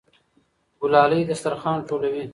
ګلالۍ دسترخوان ټولوي.